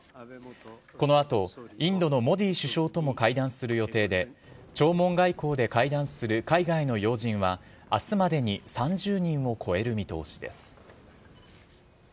このあと、インドのモディ首相とも会談する予定で、弔問外交で会談する海外の要人は、あすまでに３０人を超える見通しです。